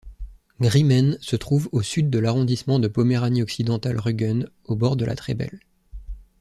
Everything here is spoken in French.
Grimmen se trouve au sud de l'arrondissement de Poméranie-Occidentale-Rügen au bord de la Trebel.